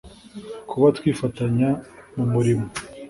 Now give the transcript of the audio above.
kuba twifatanya mu murimo